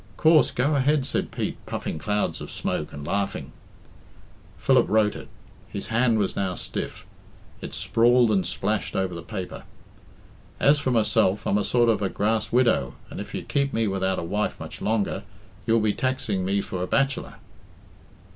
"Coorse go ahead," said Pete, puffing clouds of smoke, and laughing. Philip wrote it. His hand was now stiff. It sprawled and splashed over the paper. "'As for myself, I'm a sort of a grass widow, and if you keep me without a wife much longer they'll be taxing me for a bachelor.'"